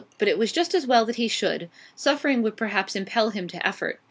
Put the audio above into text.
But then it was just as well that he should. Suffering would perhaps impel him to effort.